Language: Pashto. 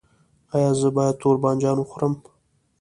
ایا زه باید تور بانجان وخورم؟